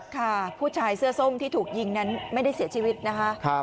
ค่ะผู้ชายเสื้อส้มที่ถูกยิงนั้นไม่ได้เสียชีวิตนะคะ